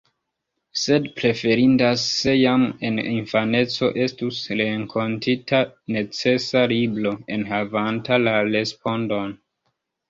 Sed preferindas, se jam en infaneco estus renkontita necesa libro, enhavanta la respondon.